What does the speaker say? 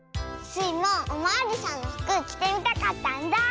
スイもおまわりさんのふくきてみたかったんだ。